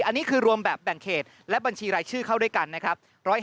อันนี้คือรวมแบบแบ่งเขตและบัญชีรายชื่อเข้าด้วยกันนะครับ